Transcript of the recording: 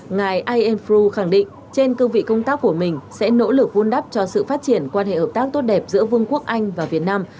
ngài ielt fu khẳng định trên cương vị công tác của mình sẽ nỗ lực vun đắp cho sự phát triển quan hệ hợp tác tốt đẹp giữa vương quốc anh và việt nam